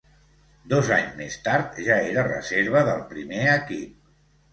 Dos anys més tard ja era reserva del primer equip.